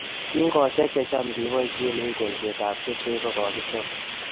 Tingoshek che cham keboishe eng' kolset ab keswek ko kokechor